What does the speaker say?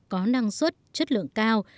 có năng suất chất lượng cao